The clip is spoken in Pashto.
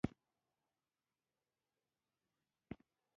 رسۍ د وزن تحمل کوي.